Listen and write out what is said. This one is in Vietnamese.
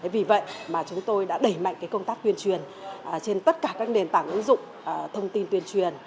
vì vậy mà chúng tôi đã đẩy mạnh công tác tuyên truyền trên tất cả các nền tảng ứng dụng thông tin tuyên truyền